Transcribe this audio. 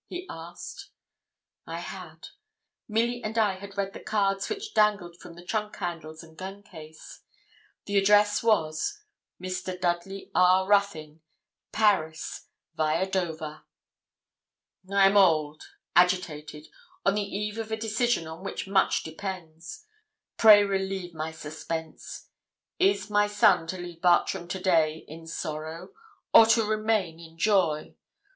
he asked. I had. Milly and I had read the cards which dangled from the trunk handles and gun case. The address was 'Mr. Dudley R. Ruthyn, Paris, viâ Dover.' 'I am old agitated on the eve of a decision on which much depends. Pray relieve my suspense. Is my son to leave Bartram to day in sorrow, or to remain in joy?